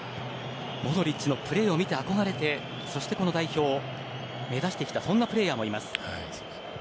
モドリッチのプレーを見て憧れてそしてこの代表を目指してきたそんなプレーヤーもいます。